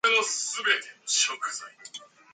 Cooper studied at the College of West Africa in Monrovia.